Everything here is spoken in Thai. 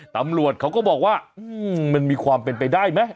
ตำรวจเขาก็บอกว่ามันมีความเป็นไปได้ไหม